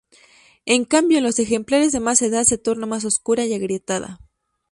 En cambio en los ejemplares de más edad se torna más oscura y agrietada.